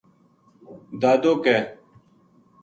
دادو ک